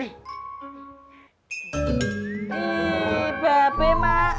ih bapak maaf